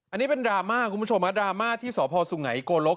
อันนี้เป็นดราม่าคุณผู้ชมดราม่าที่สพสุไงโกลก